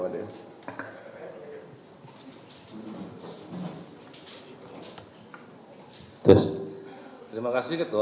terima kasih ketua